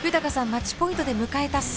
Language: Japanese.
マッチポイントで迎えたその時。